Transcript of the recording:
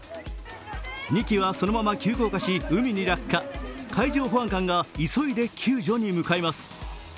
２機はそのまま急降下し、海に落下海上保安官が急いで救助に向かいます。